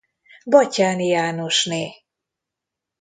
Batthyáni Jánosné.